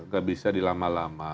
gak bisa dilama lama